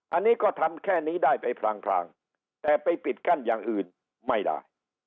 อันนี้ก็ทำแค่นี้ได้ไปพรางแต่ไปปิดกั้นอย่างอื่นไม่ได้